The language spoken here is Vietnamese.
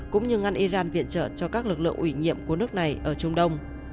cũng như ngăn iran viện trợ cho các lực lượng ủy nhiệm của nước này ở trung đông